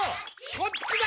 こっちだ！